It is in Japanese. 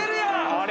あれ？